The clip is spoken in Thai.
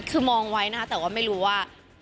คือมองไว้นะคะแต่ว่าไม่รู้ว่า